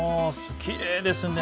きれいですね。